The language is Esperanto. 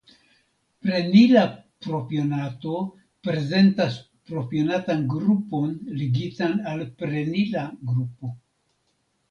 Prenila propionato prezentas propionatan grupon ligitan al prenila grupo.